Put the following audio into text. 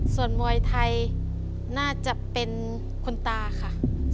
ส่วนมวยไทยน่าจะเป็นคุณตาค่ะ